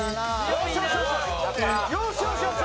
よしよしよしよし！